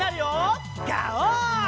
ガオー！